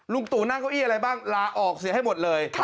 ตู่นั่งเก้าอี้อะไรบ้างลาออกเสียให้หมดเลย